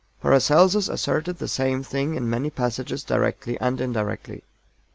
PARACELSUS asserted the same thing in many passages directly and indirectly.